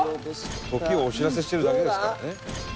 時をお知らせしてるだけですからね。